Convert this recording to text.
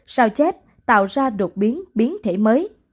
tào chép tạo ra đột biến biến thể mới